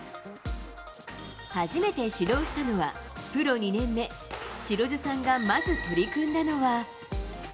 初めて指導したのは、プロ２年目、白水さんがまず取り組んだのは。